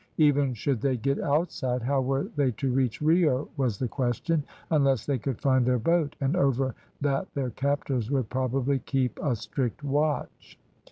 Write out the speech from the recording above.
Even should they get outside, how were they to reach Rio was the question, unless they could find their boat; and over that their captors would probably keep a strict watch.